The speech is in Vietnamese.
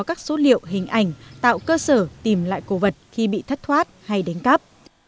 các di tích có các số liệu hình ảnh tạo cơ sở tìm lại cổ vật khi bị thất thoát hay đánh cắp